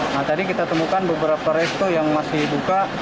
nah tadi kita temukan beberapa resto yang masih buka